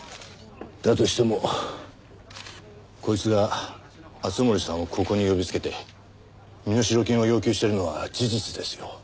だとしてもこいつが敦盛さんをここに呼びつけて身代金を要求してるのは事実ですよ。